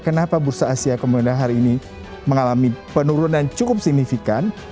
kenapa bursa asia kemudian hari ini mengalami penurunan cukup signifikan